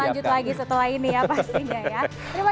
nanti kita lanjut lagi setelah ini ya pastinya ya